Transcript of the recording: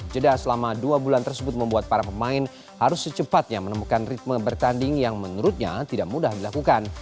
jeda selama dua bulan tersebut membuat para pemain harus secepatnya menemukan ritme bertanding yang menurutnya tidak mudah dilakukan